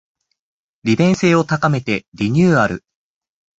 利便性を高めてリニューアル